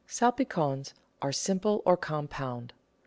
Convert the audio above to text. Salpicons are simple or compound.